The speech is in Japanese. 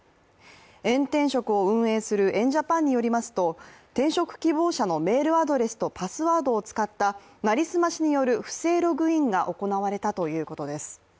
エン転職を運営するエン・ジャパンによりますと、転職希望者のメールアドレスとパスワードを使った成り済ましによる不正ログインが行われたということです。